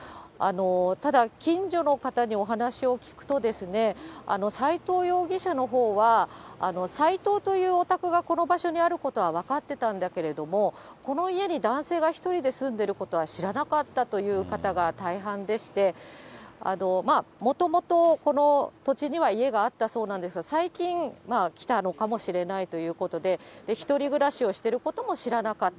ただ、近所の方にお話を聞くとですね、斎藤容疑者のほうは、さいとうというおたくがこの場所にあることは分かってたんだけれども、この家に男性が１人で住んでいることは知らなかったという方が大半でして、まあ、もともとこの土地には家があったそうなんですが、最近、来たのかもしれないということで、１人暮らしをしていることも知らなかった。